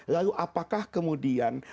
lalu apakah kemudian